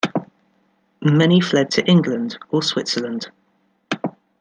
Many fled to England or Switzerland.